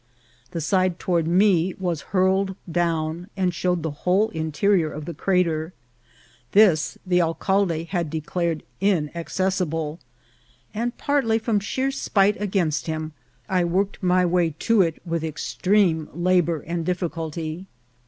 The side toward me was hurled down, and showed the whole interior of the cra ter. This the alcalde had declared inaccessible ; and partly from sheer spite against him, I worked my way 2 14 INCIDENTS OP TRAVEL. to it with extreme labour and difficulty.